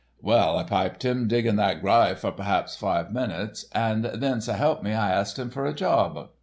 "Well, I piped him digging that gryve for perhaps five minutes, and then, s' help me, I asked him for a job.